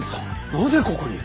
なぜここに！？